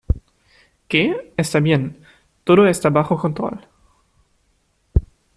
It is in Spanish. ¿ Qué? Está bien. todo está bajo control .